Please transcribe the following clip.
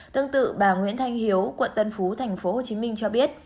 tương tự bà nguyễn thanh hiếu quận tân phú tp hcm cho biết